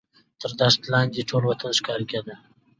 تر دښت لاندې ټول وطن ښکاره کېدو.